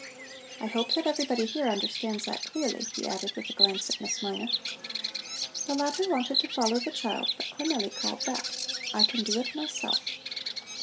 I hope that everybody here understands that clearly," he added with a glance at Miss Mina. The latter wanted to follow the child, but Cornelli called back: "I can do it myself."